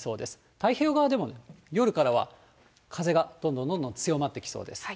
太平洋側でも、夜からは風がどんどんどんどん強まってきそうです。